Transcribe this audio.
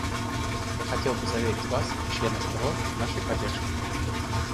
Я хотел бы заверить Вас и членов Бюро в нашей поддержке.